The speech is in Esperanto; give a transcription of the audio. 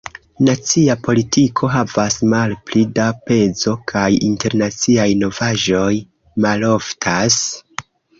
Nacia politiko havas malpli da pezo kaj internaciaj novaĵoj maloftas.